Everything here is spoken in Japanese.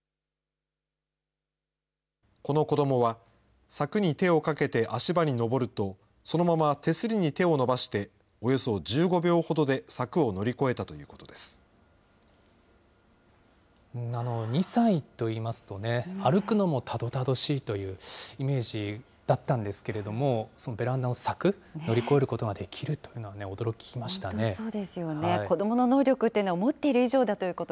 この子どもは、柵に手をかけて足場に登ると、そのまま手すりに手を伸ばしておよそ１５秒ほどで柵を乗り越えた２歳といいますとね、歩くのもたどたどしいというイメージだったんですけれども、ベランダの柵、乗り越えることができるというのは、驚きましたね。